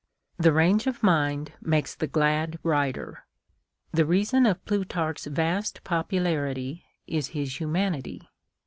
The range of mind makes the glad writer. Tlie reason of Plutarch's vast popularity is his humanity.